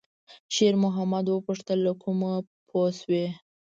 شېرمحمد وپوښتل: «له کومه پوه شوې؟»